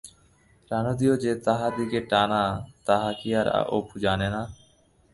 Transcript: রানুদিও যে তাহার দিকে টানে তাহা কি আর অপু জানে না?